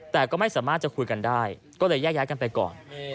แต่ก็ไม่สามารถจะคุยกันได้ก็เลยแยกย้ายกันไปก่อน